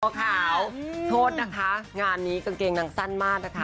ขาวโทษนะคะงานนี้กางเกงนางสั้นมากนะคะ